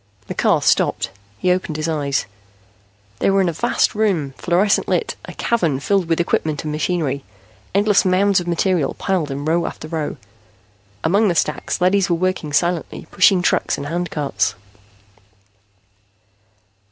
The car stopped. He opened his eyes. They were in a vast room, fluorescent lit, a cavern filled with equipment and machinery, endless mounds of material piled in row after row. Among the stacks, leadys were working silently, pushing trucks and handcarts.